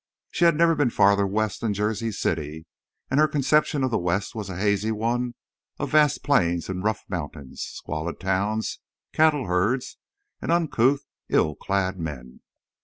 She had never been farther west than Jersey City; and her conception of the West was a hazy one of vast plains and rough mountains, squalid towns, cattle herds, and uncouth ill clad men.